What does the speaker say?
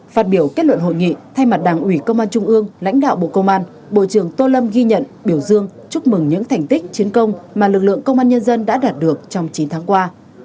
phát biểu kết luận hội nghị thay mặt đảng ủy công an trung ương lãnh đạo bộ công an bộ trưởng tô lâm ghi nhận biểu dương chúc mừng những thành tích chiến công mà lực lượng công an nhân dân đã đạt được trong chín tháng qua